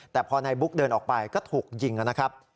แต่พอนายบุ๊กเดินออกไปก็ถูกยิงนะครับ